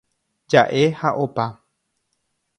Jaʼe ha opa.